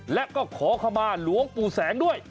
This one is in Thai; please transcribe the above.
และก็ขอขมาหลวงปู่แสงด้วย